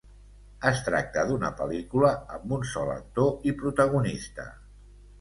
Es tracta d'una pel·lícula amb un sol actor i protagonista.